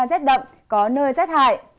trời sẽ rét đậm có nơi rét hại